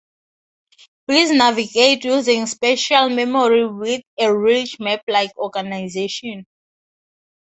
Bees navigate using spatial memory with a "rich, map-like organization".